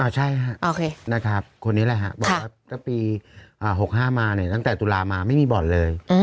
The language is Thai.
อ๋อใช่ครับนะครับคนนี้แหละค่ะบอกว่าก็ปี๖๕มาเนี่ยตั้งแต่ตุลามาไม่มีบอลเลย